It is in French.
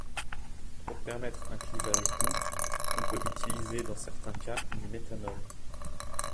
Pour permettre un clivage doux, on peut utiliser dans certains cas du méthanol.